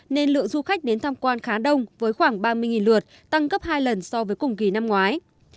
nên lượng du khách đến tham quan khá đông với khoảng ba mươi lượt tăng gấp hai lần so với cùng kỳ năm ngoái